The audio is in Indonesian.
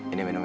ini minum ya